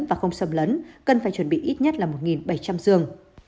và không xâm lấn cần phải chuẩn bị ít nhất là một bảy trăm linh giường